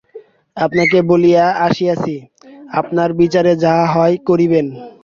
আপনাকে বলিয়া আসিয়াছি, আপনার বিচারে যাহা হয় করিবেন।